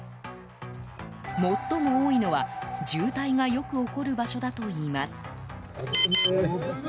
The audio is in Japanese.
最も多いのは、渋滞がよく起こる場所だといいます。